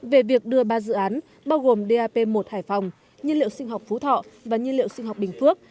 về việc đưa ba dự án bao gồm dap một hải phòng nhiên liệu sinh học phú thọ và nhiên liệu sinh học bình phước